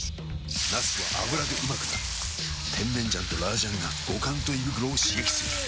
なすは油でうまくなる甜麺醤と辣醤が五感と胃袋を刺激する！